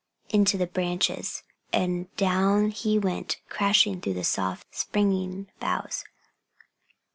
_ into the branches, and down he went, crashing through the soft, springing boughs.